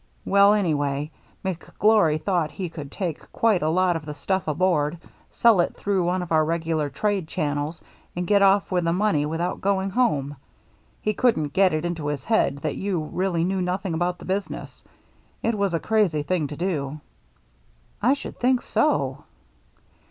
Well, anyway, McGlory thought he could take quite a lot of the stuff aboard, sell it through one of our regular trade channels, and get off with the money without going home. He couldn't get it into his head that you really knew nothing about the business. It was a crazy thing to do." " I should think so."